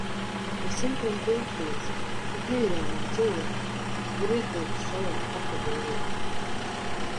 Ir simtiem tūkstošu, pat miljoniem cilvēku, kuri ietilpst šajā kategorijā.